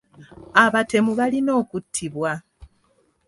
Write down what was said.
Abatemu balina okuttibwa.